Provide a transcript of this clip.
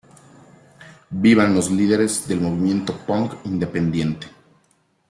Vivan los líderes del Movimiento Punk Independiente.